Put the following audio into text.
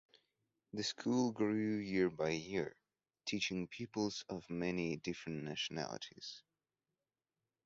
The school grew year by year, teaching pupils of many different nationalities.